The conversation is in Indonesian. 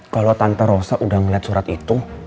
kalau tanpa rosa udah ngeliat surat itu